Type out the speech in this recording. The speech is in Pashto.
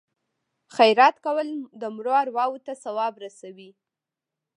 خیرات کول د مړو ارواو ته ثواب رسوي.